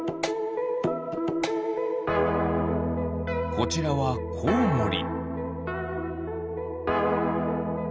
こちらはコウモリ。